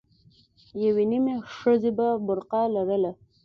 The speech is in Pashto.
يوې نيمې ښځې به برقه لرله.